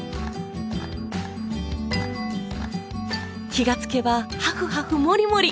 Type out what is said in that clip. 気がつけばハフハフもりもり！